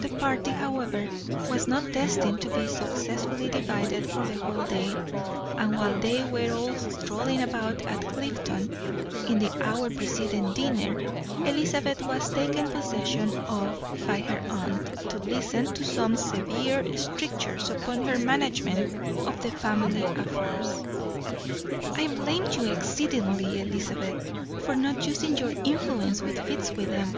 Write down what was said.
The party, however, was not destined to be so successfully divided for the whole day, and while they were all strolling about at Clifton, in the hour preceding diner, Elizabeth was taken possession of by her aunt, to listen to some severe strictures upon her management of the family affairs. "I blame you exceedingly, Elizabeth, for not using your influence with Fitzwilliam.